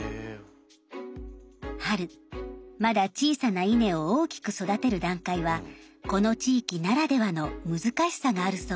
春まだ小さな稲を大きく育てる段階はこの地域ならではの難しさがあるそうです。